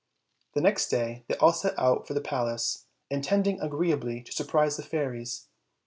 The next day they all set out for the palace, intending agreeably to surprise the fairies.